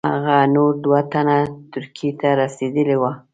هغه نور دوه تنه ترکیې ته رسېدلي وه.